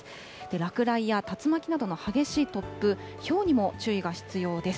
落雷や竜巻などの激しい突風、ひょうにも注意が必要です。